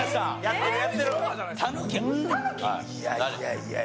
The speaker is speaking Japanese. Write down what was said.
いやいやいやいや。